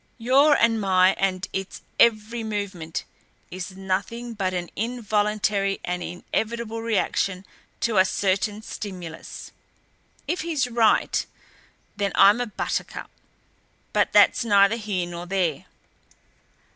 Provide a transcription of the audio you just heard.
"Your and my and its every movement is nothing but an involuntary and inevitable reaction to a certain stimulus. If he's right, then I'm a buttercup but that's neither here nor there.